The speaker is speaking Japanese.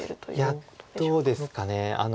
いやどうですか。